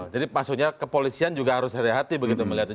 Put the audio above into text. jadi maksudnya kepolisian juga harus hati hati begitu melihatnya